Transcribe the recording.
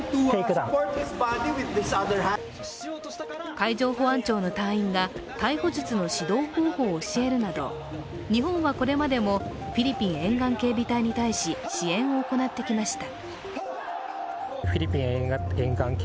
海上保安庁の隊員が逮捕術の指導方法を教えるなど日本はこれまでもフィリピン沿岸警備隊に対し支援を行ってきました。